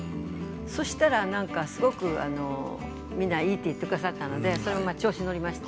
そうしたら、みんないいと言ってくださったので調子に乗りまして